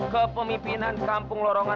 kepemimpinan kampung lorongan